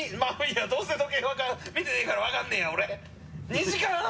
２時間半！